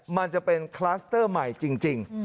มันจะเป็นคลัสเตอร์ใหม่จริง